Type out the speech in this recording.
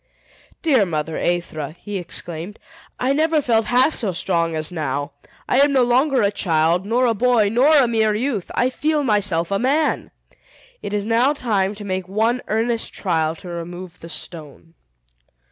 "Dear mother Aethra," he exclaimed, "I never felt half so strong as now! I am no longer a child, nor a boy, nor a mere youth! I feel myself a man! It is now time to make one earnest trial to remove the stone."